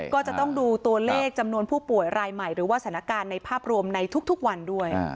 ก็จะต้องดูตัวเลขจำนวนผู้ป่วยรายใหม่หรือว่าสถานการณ์ในภาพรวมในทุกวันด้วย